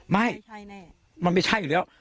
ไม่มันไม่ใช่อยู่แล้ว